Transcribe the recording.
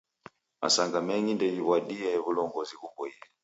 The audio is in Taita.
Masanga mengi ndeghiw'adie w'ulongozi ghuboie.